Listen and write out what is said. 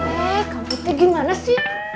eh kamu tuh gimana sih